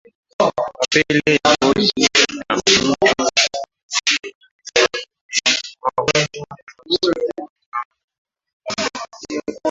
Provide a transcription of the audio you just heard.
Mapele ya ngozi na ukurutu ni magonjwa ya ngozi kwa ngombe